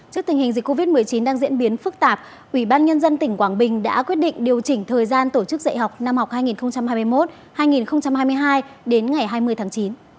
trước tình hình dịch covid một mươi chín đang diễn biến phức tạp ủy ban nhân dân tỉnh quảng bình đã quyết định điều chỉnh thời gian tổ chức dạy học năm học hai nghìn hai mươi một hai nghìn hai mươi hai đến ngày hai mươi tháng chín